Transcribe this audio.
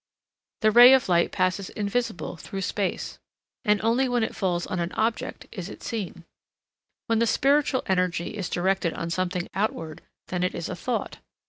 The ray of light passes invisible through space and only when it falls on an object is it seen. When the spiritual energy is directed on something outward, then it is a thought.